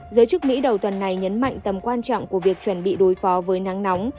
giới chức mỹ đầu tuần này nhấn mạnh tầm quan trọng của việc chuẩn bị đối phó với nắng nóng